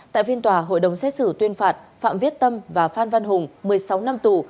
tại phiên tòa hội đồng xét xử tuyên phạt phạm viết tâm và phan văn hùng một mươi sáu năm tù